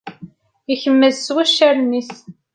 Ikemmez s waccaren-is.